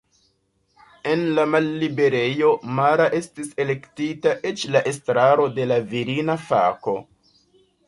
En la malliberejo Mara estis elektita eĉ la estraro de la virina fako.